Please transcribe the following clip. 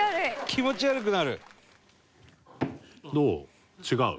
気持ち悪くなる？どう？